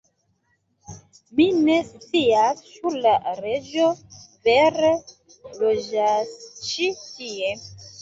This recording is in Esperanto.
Mi ne scias ĉu la reĝo vere loĝas ĉi tie